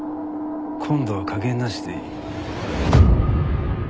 今度は加減なしでいい。